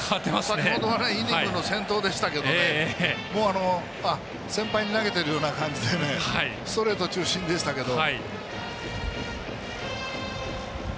先ほどはイニングの先頭でしたけど先輩に投げてるような感じでストレート中心でしたけど。